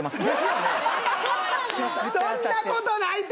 そんなことないて！